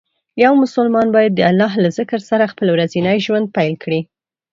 یو مسلمان باید د الله له ذکر سره خپل ورځنی ژوند پیل کړي.